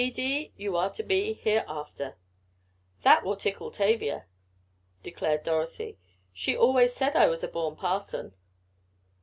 D. D. you are to be hereafter." "That will tickle Tavia," declared Dorothy. "She always said I was a born parson."